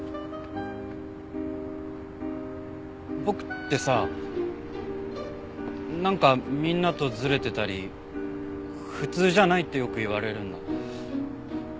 僕ってさなんかみんなとズレてたり普通じゃないってよく言われるんだ。